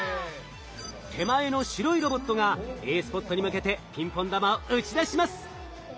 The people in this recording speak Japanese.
手前の白いロボットがＡスポットに向けてピンポン玉を打ち出します。